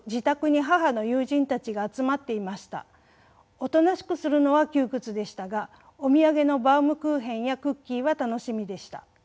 おとなしくするのは窮屈でしたがお土産のバウムクーヘンやクッキーは楽しみでした。